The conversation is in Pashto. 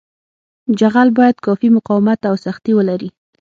جغل باید کافي مقاومت او سختي ولري